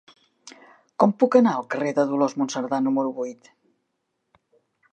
Com puc anar al carrer de Dolors Monserdà número vuit?